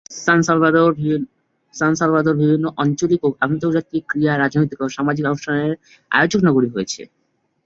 সান Salvador বিভিন্ন আঞ্চলিক ও আন্তর্জাতিক ক্রীড়া, রাজনৈতিক ও সামাজিক অনুষ্ঠানের আয়োজক নগরী হয়েছে।